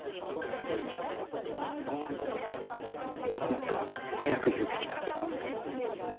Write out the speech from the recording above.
もっと早く言うべきだった。